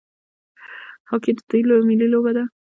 هاکي د دوی ملي لوبه ده.